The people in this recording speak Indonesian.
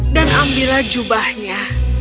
dan ambillah jubahnya